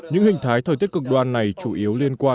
những hình thái thời tiết cực đoan này chủ yếu là nguyên nhân